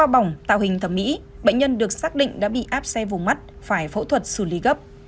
bệnh nhân được xác định đã bị áp xe vùng mắt phải phẫu thuật xử lý gấp